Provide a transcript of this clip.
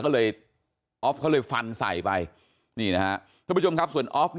จริงแต่ก็เลยออฟฟก็เลยฟันใส่ไปนี่นะทุกผู้ชมครับส่วนออฟ